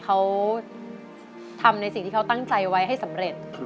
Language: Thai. เขาทำในสิ่งที่เขาตั้งใจไว้ให้สำเร็จ